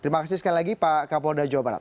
terima kasih sekali lagi pak kapolda jawa barat